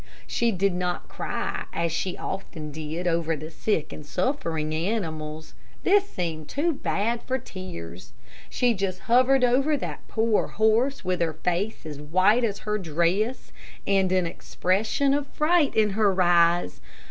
She did not cry, as she often did over the sick and suffering animals. This seemed too bad for tears. She just hovered over that poor horse with her face as white as her dress, and an expression of fright in her eyes.